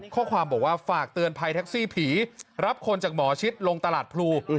ข้อความบอกว่าฝากเตือนภัยแท็กซี่ผีรับคนจากหมอชิดลงตลาดพลู